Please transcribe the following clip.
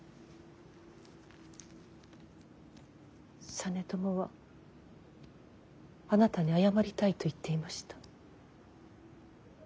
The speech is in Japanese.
実朝はあなたに謝りたいと言っていました。